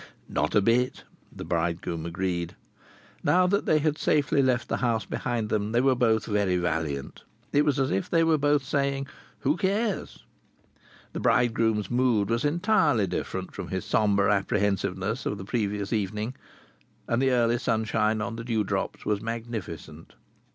"Not a bit," the bridegroom agreed. Now that they had safely left the house behind them, they were both very valiant. It was as if they were both saying: "Who cares?" The bridegroom's mood was entirely different from his sombre apprehensiveness of the previous evening. And the early sunshine on the dew drops was magnificent.